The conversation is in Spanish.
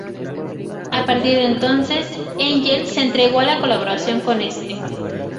A partir de entonces, Engels se entregó a la colaboración con este.